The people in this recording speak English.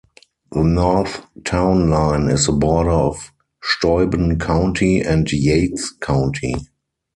The north town line is the border of Steuben County and Yates County.